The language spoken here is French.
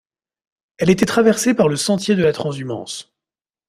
Elle était traversée par le sentier de la transhumance.